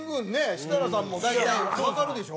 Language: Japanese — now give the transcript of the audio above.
設楽さんも大体わかるでしょ？